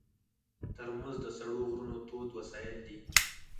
ترموز د سړو غرونو تود وسایل دي.